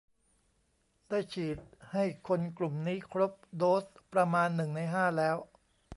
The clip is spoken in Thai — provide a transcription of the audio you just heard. ได้ฉีดให้คนกลุ่มนี้ครบโดสประมาณหนึ่งในห้าแล้ว